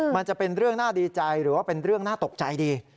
มันจะเป็นเรื่องน่าดีใจหรือว่าเป็นเรื่องน่าตกใจดี